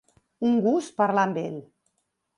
Un gust parlar amb ell.